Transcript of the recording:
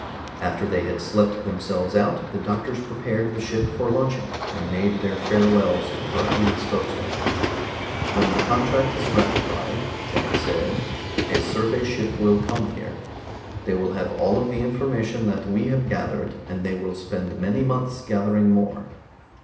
After they had slept themselves out, the doctors prepared the ship for launching, and made their farewells to the Bruckian spokesman. "When the contract is ratified," Jack said, "a survey ship will come here. They will have all of the information that we have gathered, and they will spend many months gathering more.